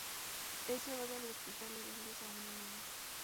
Es llevada al hospital y da a luz a una niña.